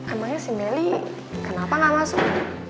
emangnya si melly kenapa gak masuk